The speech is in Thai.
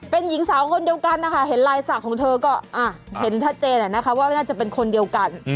เป็นหญิงสาวคนเดียวกันนะคะเห็นลายศักดิ์ของเธอก็เห็นชัดเจนนะคะว่าไม่น่าจะเป็นคนเดียวกัน